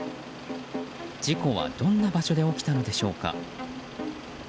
事故はどんな場所で起きたのでしょうか。